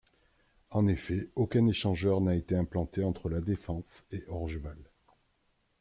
En effet aucun échangeur n'a été implanté entre La Défense et Orgeval.